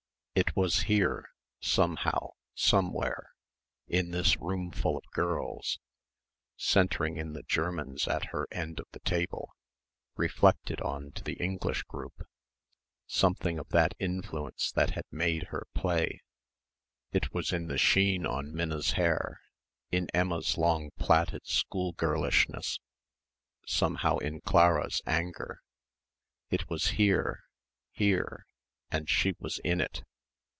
It was here, somehow, somewhere, in this roomful of girls, centring in the Germans at her end of the table, reflected on to the English group, something of that influence that had made her play. It was in the sheen on Minna's hair, in Emma's long plaited schoolgirlishness, somehow in Clara's anger. It was here, here, and she was in it....